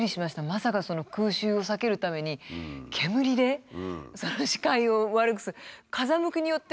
まさか空襲を避けるために煙で視界を悪くする。